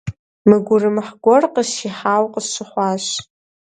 Мэ гурымыхь гуэр къысщӀихьауэ къысщыхъуащ.